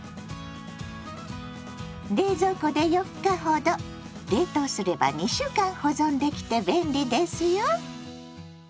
冷蔵庫で４日ほど冷凍すれば２週間保存できて便利ですよ。